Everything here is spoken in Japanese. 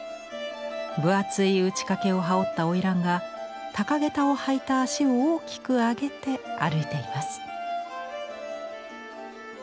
分厚い打掛を羽織ったおいらんが高げたを履いた足を大きく上げて歩いています。